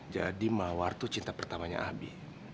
jadi mawar tuh cinta pertamanya abi